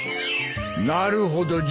なるほど。